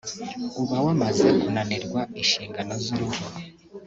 uba wamaze kunanirwa inshingano z’urugo